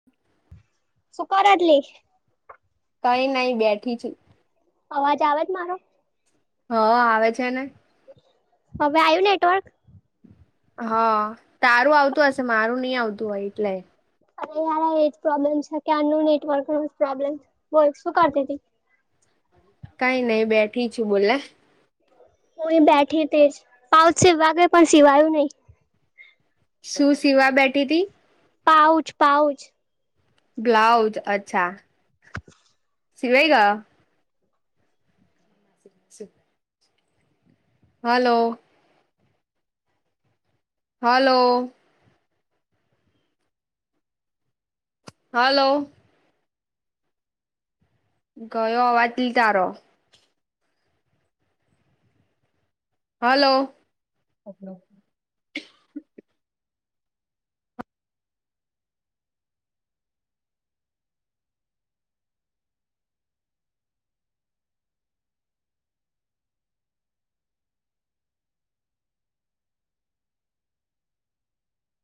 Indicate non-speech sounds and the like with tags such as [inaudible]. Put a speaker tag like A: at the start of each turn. A: [unintelligible]
B: સૂકી રોટલી
A: કઈ નઈ બેઠી છું
B: અવાજ આવે જ મારો
A: હ આવે છે ને
B: હવે આયું નેટવર્ક
A: હ તારું આવતું હશે મારું નઈ આવતું હોય એટલે
B: અરે યાર એજ પ્રોબ્લેમ છે કે ક્યારનું નેટવર્ક ન પ્રોબ્લેમ વર્ક શું કરતી હતી
A: કાઈ નઈ બેઠી છું બોલ ને
B: હુંય બેઠી તે પાઉ છે વાગે પણ સિવાયું નહી
A: શું સિવા બેઠીતી
B: પાઉચ પાઉચ
A: બ્લાઉઝ અચ્છા સિવાય ગયો છી હાલો હલો હલો ગયો અવાજલી તારો હલો